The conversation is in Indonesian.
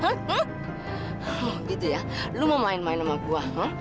oh gitu ya lo mau main main sama gue he